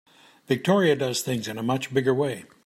Victoria does things in a much bigger way.